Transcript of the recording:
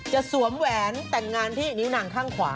สวมแหวนแต่งงานที่นิ้วหนังข้างขวา